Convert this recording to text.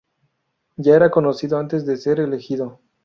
Ya era conocido antes de ser elegido.